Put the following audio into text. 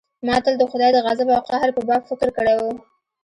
ما تل د خداى د غضب او قهر په باب فکر کړى و.